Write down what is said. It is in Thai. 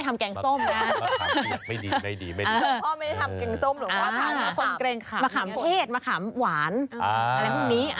มะขามเผ็ดมะขามหวานอะไรพวกนี้